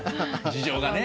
事情がね。